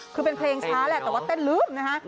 คือเป็นเพลงช้าแหละแต่ว่าเต้นลืมนะฮะ